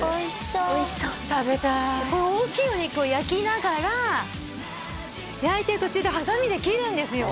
おいしそう食べたいこの大きいお肉を焼きながら焼いてる途中でハサミで切るんですよ